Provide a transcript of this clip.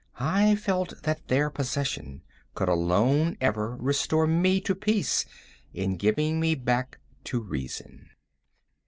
I felt that their possession could alone ever restore me to peace, in giving me back to reason.